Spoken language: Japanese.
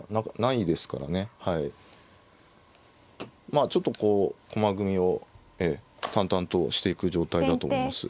まあちょっとこう駒組みを淡々としていく状態だと思います。